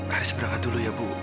harus berangkat dulu ya bu